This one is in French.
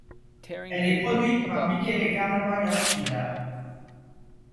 Elle est produite par Michele Canova Iorfida.